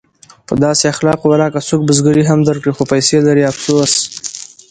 په داسې اخلاقو ولاکه څوک بزګري هم درکړي خو پیسې لري افسوس!